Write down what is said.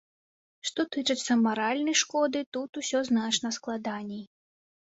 Што тычыцца маральнай шкоды, тут ўсё значна складаней.